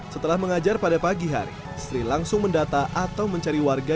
setelah mengajar pada pagi hari sri langsung mendata atau mencari warga